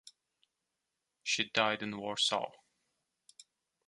She died in Warsaw.